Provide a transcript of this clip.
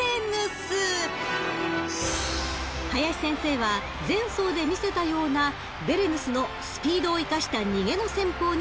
［林先生は前走で見せたようなベレヌスのスピードを生かした逃げの戦法に注目］